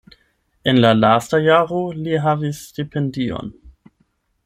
En la lasta jaro li havis stipendion.